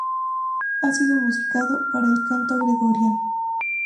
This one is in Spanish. Ha sido musicado para el canto gregoriano.